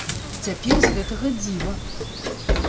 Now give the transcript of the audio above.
Цяпер з гэтага дзіва.